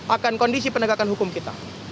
akan kondisi penegakan hukum kita